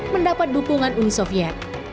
mendapat dukungan uni soviet